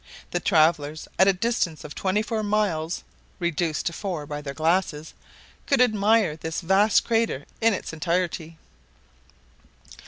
The travelers, at a distance of twenty four miles (reduced to four by their glasses) could admire this vast crater in its entirety.